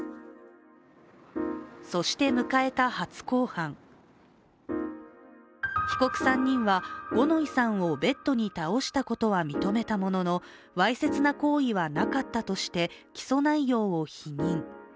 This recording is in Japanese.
そして迎えた初公判、被告３人は五ノ井さんをベッドに倒したことは認めたものの、わいせつな行為はなかったとして起訴内容を否認。